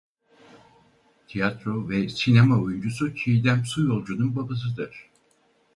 Tiyatro ve sinema oyuncusu Çiğdem Suyolcu'nun babasıdır.